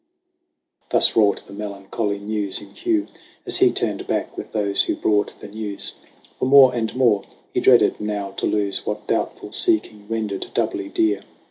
Thus wrought the melancholy news in Hugh, As he turned back with those who brought the news; For more and more he dreaded now to lose What doubtful seeking rendered doubly dear.